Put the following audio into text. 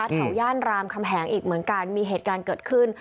แถวย่านรามคำแหงอีกเหมือนกันมีเหตุการณ์เกิดขึ้น